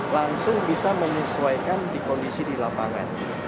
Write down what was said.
langsung bisa menyesuaikan di kondisi di lapangan